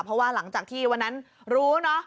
เพราะว่าหลังจากที่วันนั้นรู้เนอะ